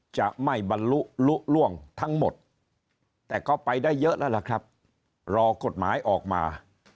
จะไม่บรรลุลุล่วงทั้งหมดแต่ก็ไปได้เยอะแล้วล่ะครับรอกฎหมายออกมา